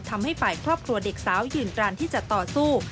ทำให้ฝ่ายครอบครัวเด็กสาวยืนกรานที่จะต่อสู้